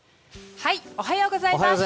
おはようございます。